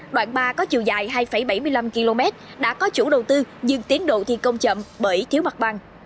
đoạn ba có chiều dài hai bảy mươi năm km đã có chủ đầu tư nhưng tiến độ thi công chậm bởi thiếu mặt bằng